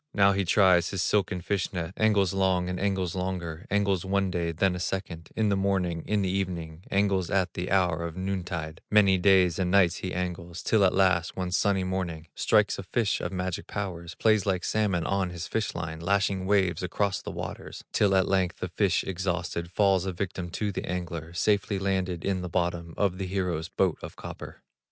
Now he tries his silken fish net, Angles long, and angles longer, Angles one day, then a second, In the morning, in the evening, Angles at the hour of noontide, Many days and nights he angles, Till at last, one sunny morning, Strikes a fish of magic powers, Plays like salmon on his fish line, Lashing waves across the waters, Till at length the fish exhausted Falls a victim to the angler, Safely landed in the bottom Of the hero's boat of copper.